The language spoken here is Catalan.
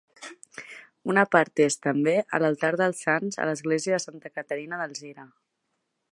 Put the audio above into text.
Una part és, també, a l'altar dels sants a l'Església de Santa Caterina d'Alzira.